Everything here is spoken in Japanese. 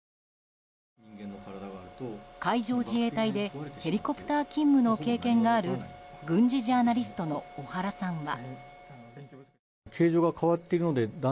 海上自衛隊でヘリコプター勤務の経験がある軍事ジャーナリストの小原さんは。